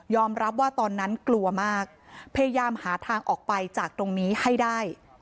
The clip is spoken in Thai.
รับว่าตอนนั้นกลัวมากพยายามหาทางออกไปจากตรงนี้ให้ได้